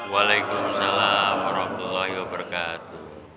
waalaikumsalam warahmatullahi wabarakatuh